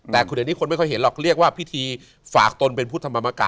แต่เดี๋ยวนี้คนไม่ค่อยเห็นหรอกเรียกว่าพิธีฝากตนเป็นพุทธธรรมกะ